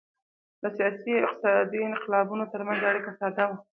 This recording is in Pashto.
د سیاسي او اقتصادي انقلابونو ترمنځ اړیکه ساده وه